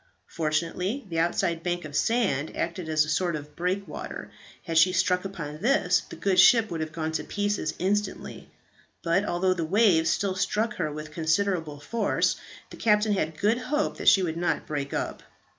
Fortunately, the outside bank of sand acted as a sort of breakwater; had she struck upon this, the good ship would have gone to pieces instantly; but although the waves still struck her with considerable force, the captain had good hope that she would not break up.